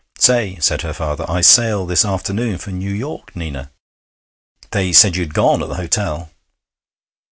'Say,' said her father, 'I sail this afternoon for New York, Nina.' 'They said you'd gone, at the hotel.'